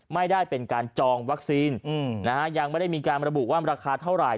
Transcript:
ไม่ได้เป็นการจองวัคซีนยังไม่ได้มีการระบุว่าราคาเท่าไหร่